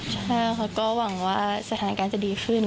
ใช่ค่ะก็หวังว่าสถานการณ์จะดีขึ้น